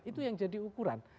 itu yang jadi ukuran